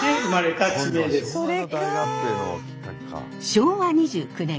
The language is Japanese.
昭和２９年